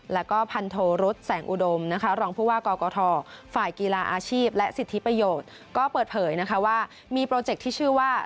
แล้วก็พันโทรุษแสงอุดมนะคะรองผู้ว่ากกทฝ่ายกีฬาอาชีพและสิทธิประโยชน์ก็เปิดเผยนะคะว่ามีโปรเจคที่ชื่อว่า